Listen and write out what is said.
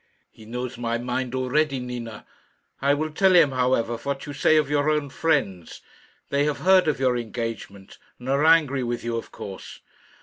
"He knows my mind already, Nina. I will tell him, however, what you say of your own friends. They have heard of your engagement, and are angry with you, of course."